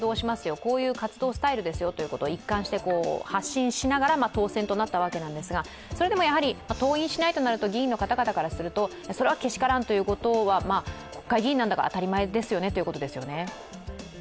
こういう活動スタイルですよと一貫して発信しながら当選となったわけなんですが、それでも登院しないとなると議員の方々からするとそれはけしからんということは国会議員なんだから当たり前ですよねということですよね。